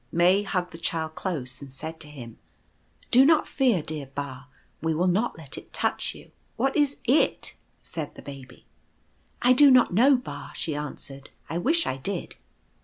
May hugged the Child close, and said to him, " Do not fear, dear Ba. We will not let it touch you." « What is ' it ?'" said the Baby. iC I do not know, Ba," she answered. "I wish I did.